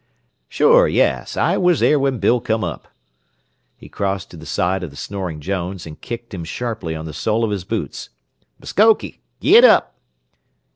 "Sure, yes. I was there when Bill come up." He crossed to the side of the snoring Jones, and kicked him sharply on the sole of his boots. "M'skoke! Git up!"